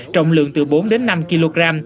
trồng lượng từ bốn năm kg